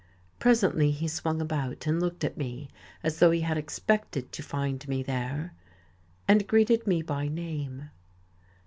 Presently he swung about and looked at me as though he had expected to find me there and greeted me by name.